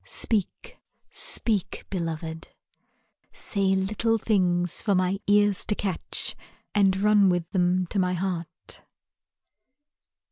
Speak, speak, Beloved. Say little things For my ears to catch And run with them to my heart.